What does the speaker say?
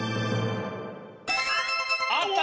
あった！